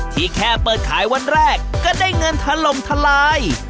ที่แค่เปิดขายวันแรกก็ได้เงินทะลงทะลาย